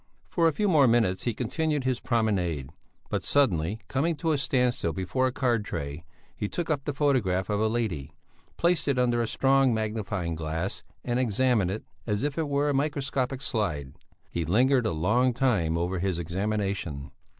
For a few more minutes he continued his promenade, but suddenly, coming to a standstill before a card tray, he took up the photograph of a lady, placed it under a strong magnifying glass and examined it as if it were a microscopic slide. He lingered a long time over his examination.